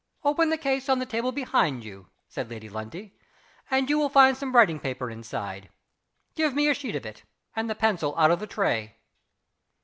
"Open the case on the table behind you," said Lady Lundie, "and you will find some writing paper inside. Give me a sheet of it and the pencil out of the tray."